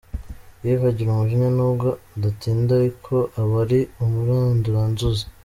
Yves agira umujinya, nubwo udatinda ariko aba ari umuranduranzuzi.